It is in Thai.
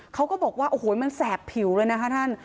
เขาก็บอกว่าโอ้โหมันแสบผิวเลยนะคะท่าน